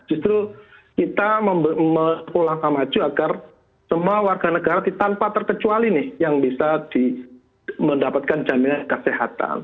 justru kita pulangkan maju agar semua warga negara tanpa terkecuali nih yang bisa mendapatkan jaminan kesehatan